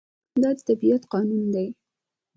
دا د طبیعت قانون دی.